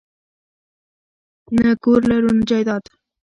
نه کور لرو نه جایداد